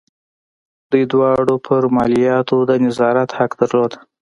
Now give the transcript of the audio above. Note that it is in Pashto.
دوی دواړو پر مالیاتو د نظارت حق درلود.